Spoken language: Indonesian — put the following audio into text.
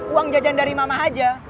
uang jajan dari mama aja